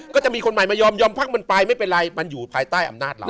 ก็จะมีคนใหม่มายอมยอมพักมันไปไม่เป็นไรมันอยู่ภายใต้อำนาจเรา